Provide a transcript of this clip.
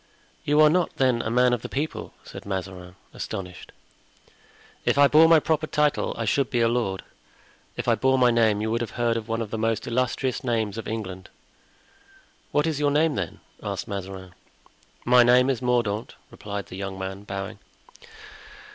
"You are not, then, a man of the people?" said Mazarin, astonished. "If I bore my proper title I should be a lord. If I bore my name you would have heard one of the most illustrious names of England." "What is your name, then?" asked Mazarin. "My name is Mordaunt," replied the young man, bowing.